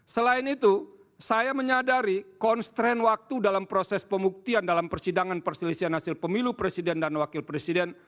selain itu saya menyadari konstrain waktu dalam proses pembuktian dalam persidangan perselisihan hasil pemilu presiden dan wakil presiden